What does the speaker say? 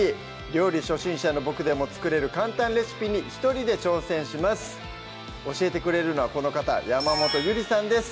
料理初心者のボクでも作れる簡単レシピに一人で挑戦します教えてくれるのはこの方山本ゆりさんです